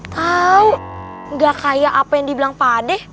tau gak kayak apa yang dibilang padeh